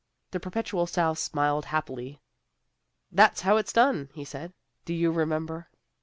The Perpetual Souse smiled happily. "That's how it's done," he said. "Do you remember?"